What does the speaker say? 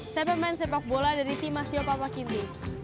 saya pemain sepak bola dari tim asiop apakinti